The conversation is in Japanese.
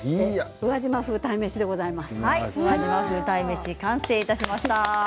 宇和島風鯛めしでございます。